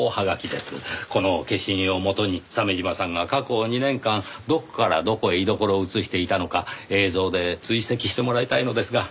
この消印を基に鮫島さんが過去２年間どこからどこへ居所を移していたのか映像で追跡してもらいたいのですが。